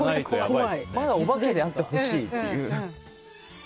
まだお化けであってほしいっていう。